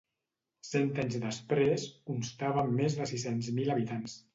Cent anys després, constava amb més de sis-cents mil habitants.